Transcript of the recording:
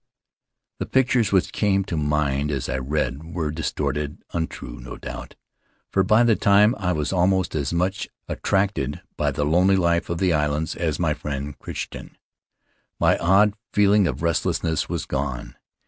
The In the Cloud of Islands pictures which came to mind as I read were distorted, untrue, no doubt; for by that time I was almost as much attracted by the lonely life of the islands as my friend Crichton. My old feeling of restlessness was gone.